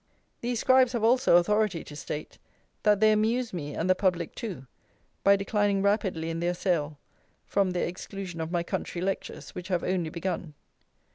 These scribes have also "authority" to state, that they amuse me and the public too by declining rapidly in their sale from their exclusion of my country lectures, which have only begun.